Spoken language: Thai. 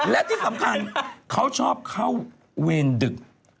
และที่สำคัญเขาชอบเข้าเวรดึก